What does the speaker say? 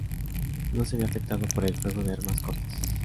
No se ve afectado por el fuego de armas cortas.